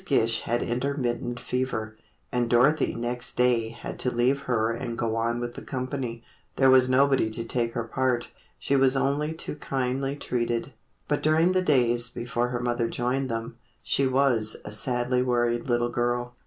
Gish had intermittent fever, and Dorothy next day had to leave her and go on with the company. There was nobody to take her part. She was only too kindly treated, but during the days before her mother joined them, she was a sadly worried little girl.